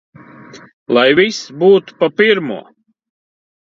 Lai viss būtu pa pirmo!